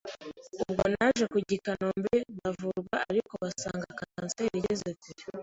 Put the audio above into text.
Ubwo naje kujyanwa I kanombe ndavurwa ariko basanga kanseri igeze kure